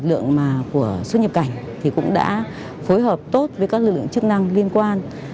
lượng của xuất nhập cảnh cũng đã phối hợp tốt với các lượng chức năng liên quan